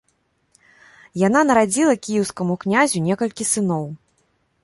Яна нарадзіла кіеўскаму князю некалькі сыноў.